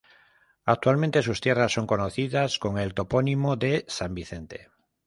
Actualmente sus tierras son conocidas con el topónimo de "San Vicente".